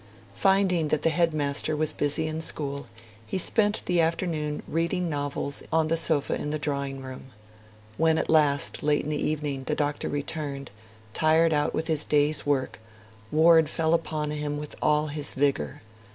Finding that the headmaster was busy in school, he spent the afternoon reading novels on the sofa in the drawing room. When at last, late in the evening, the Doctor returned, tired out with his day's work, Ward fell upon him with all his vigour.